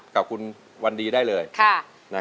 กับคุณวันดีได้เลย